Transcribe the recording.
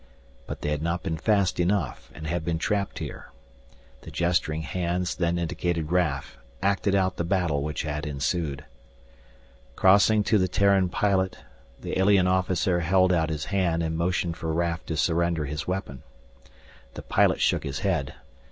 But they had not been fast enough and had been trapped here. The gesturing hands then indicated Raf, acted out the battle which had ensued. Crossing to the Terran pilot, the alien officer held out his hand and motioned for Raf to surrender his weapon. The pilot shook his head.